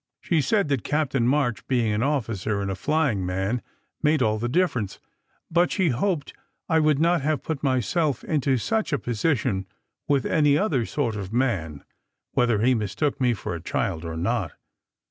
She said that Captain March being an officer and a flying man made all the difference, but she hoped I would not have put my self into such a position with any other sort of man, whether 31 32 SECRET HISTORY he mistook me for a child or not.